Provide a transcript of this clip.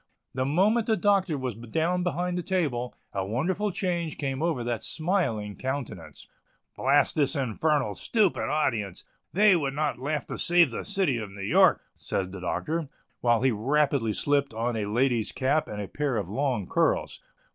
The moment the Doctor was down behind the table, a wonderful change came over that smiling countenance. "Blast this infernal, stupid audience! they would not laugh to save the city of New York!" said the Doctor, while he rapidly slipped on a lady's cap and a pair of long curls.